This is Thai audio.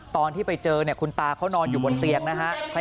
ตอนที่ไปเจอเนี่ยคุณตาเขานอนอยู่บนเตียงนะฮะ